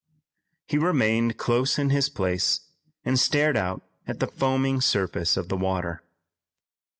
He remained close in his place and stared out at the foaming surface of the water.